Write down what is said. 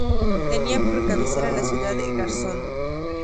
Tenía por cabecera a la ciudad de Garzón.